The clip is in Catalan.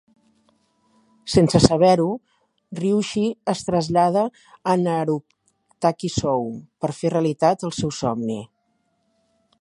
Sense saber-ho, Ryushi es trasllada a Narutaki-Sou per fer realitat el seu somni.